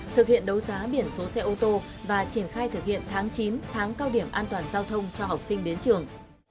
thực hiện đấu giá biển số xe ô tô và triển khai thực hiện tháng chín tháng cao điểm an toàn giao thông cho học sinh đến trường